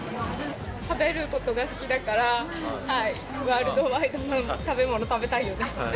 食べることが好きだから、ワールドワイドな食べ物食べたいよね。